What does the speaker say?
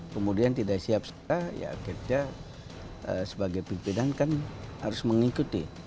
kemudian tidak siap ya akhirnya sebagai pimpinan kan harus mengikuti